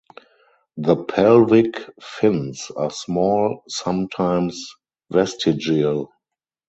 The pelvic fins are small, sometimes vestigial.